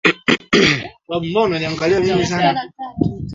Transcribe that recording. hatua kama hizo kuchukuliwa ili kukabiliana